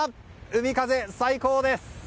海風、最高です。